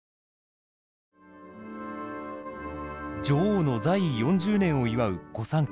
女王の在位４０年を祝う午餐会。